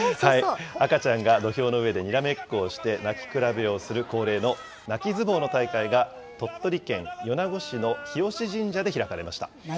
赤ちゃんが土俵の上でにらめっこをして、泣き比べをする恒例の泣き相撲の大会が、鳥取県米子市の日吉神社で開かれました。